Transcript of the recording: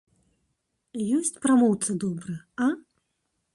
Ёсць прамоўца добры, а?